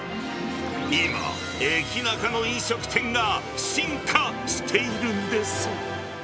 今、駅ナカの飲食店が進化しているんです。